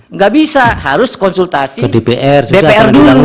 enggak bisa harus konsultasi bpr dulu